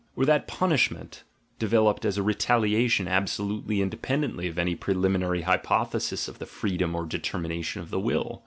Or that punishment developed as a retaliation absolutely independently of any preliminary hypothesis of the freedom or determination of the will?